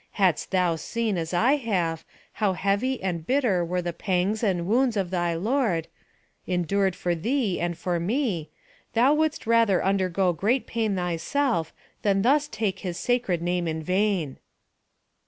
Hadst thou seen, as I have, how heavy and bitter were the pangs and wounds of thy Lord, endured for thee and for me, thou wouldst rather undergo great pain thyself than thus take His sacred name in vain!'